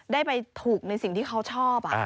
ได้ไปถูกในสิ่งที่เขาชอบ